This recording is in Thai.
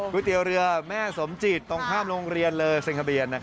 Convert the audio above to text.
กุ้ยเตี๋อเรือแม่สมจิตตรงข้ามโรงเรียนเลอร์เซงสเบียน